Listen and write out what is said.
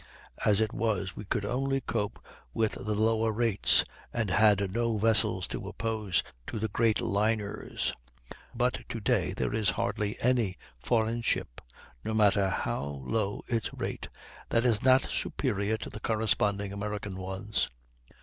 As it was, we could only cope with the lower rates, and had no vessels to oppose to the great "liners"; but to day there is hardly any foreign ship, no matter how low its rate, that is not superior to the corresponding American ones.